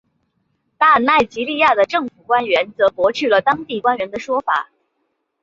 但奈及利亚的政府官员则驳斥了当地官员的说法。